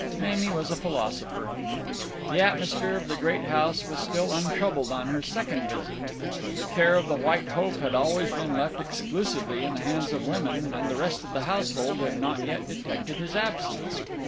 Mamie was a philosopher. The atmosphere of the great house was still untroubled on her second visit. The care of the White Hope had always been left exclusively in the hands of the women, and the rest of the household had not yet detected his absence.